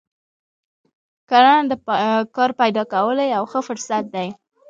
کرنه د کار پیدا کولو یو ښه فرصت دی.